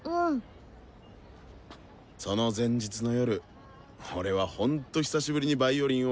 その前日の夜俺はほんと久しぶりにヴァイオリンを弾いてみたんだ。